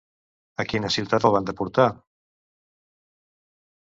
A quina ciutat el van deportar?